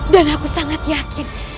dan aku sangat yakin